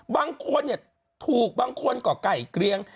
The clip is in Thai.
บางคนถูกบางคนก็ไก่เกลียง